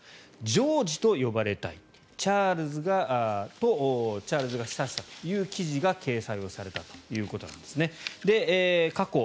ジョージと呼ばれたいとチャールズが示唆という記事が掲載されたということです。